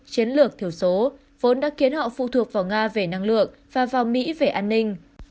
chiến lược thiểu số vốn đã khiến họ phụ thuộc vào nga về năng lượng và vào mỹ về an ninh